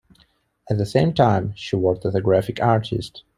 At the same time she worked as a graphic artist.